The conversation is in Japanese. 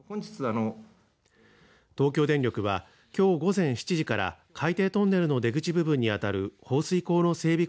東京電力は、きょう午前７時から海底トンネルの出口部分にあたる放水口の整備